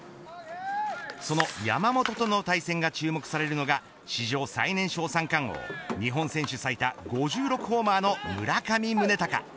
その山本との対戦が注目されるのが史上最年少三冠王日本選手最多５６ホーマーの村上宗隆。